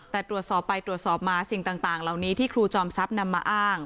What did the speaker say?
แต่ตรวจสอบไปตรวจสอบมาสิ่งต่างเหล่านี้ที่ครูจอมทรัพย์นำมาอ้าง